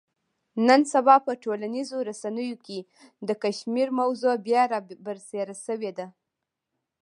نن سبا په ټولنیزو رسنیو کې د کشمیر موضوع بیا را برسېره شوې ده.